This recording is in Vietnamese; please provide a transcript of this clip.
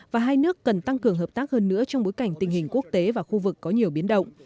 và hai nước cần tăng cường hợp tác hơn nữa trong bối cảnh tình hình quốc tế và khu vực có nhiều biến động